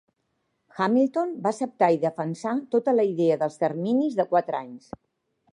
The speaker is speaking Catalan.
Hamilton va acceptar i defensar tota la idea dels terminis de quatre anys.